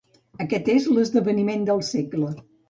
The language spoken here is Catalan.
Aquest és l'esdeveniment del segle.